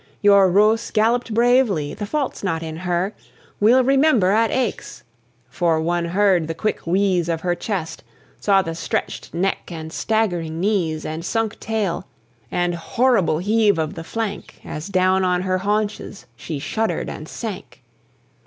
Your Roos galloped bravely, the fault's not in her, We'll remember at Aix" for one heard the quick wheeze Of her chest, saw the stretched neck and staggering knees, And sunk tail, and horrible heave of the flank, As down on her haunches she shuddered and sank.